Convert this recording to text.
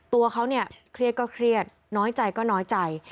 ตัวเขาเนี่ยเครียดก็เครียดน้อยใจก็น้อยใจ